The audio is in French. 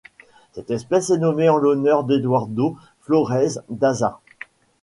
Cette espèce est nommée en l'honneur d'Eduardo Flórez Daza.